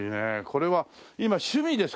これは今趣味ですか？